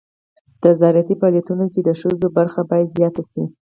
د زراعتي فعالیتونو کې د ښځو ونډه باید زیاته شي.